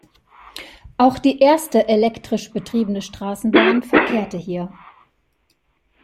Auch die erste elektrisch betriebene Straßenbahn verkehrte hier.